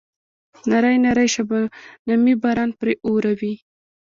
نری نری شبنمي باران پرې اوروي.